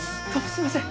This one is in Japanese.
すみません。